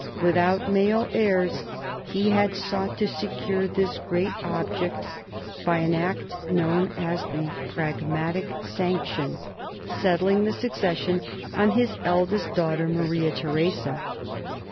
Without male heirs, he had sought to secure this great object by an Act known as the Pragmatic Sanction, 6 MARIA THERESA chap, i settling the succession on his eldest daughter, Maria Theresa.